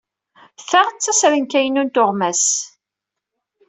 Ta d tasrenka-inu n tuɣmas.